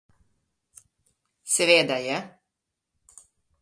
Seveda je.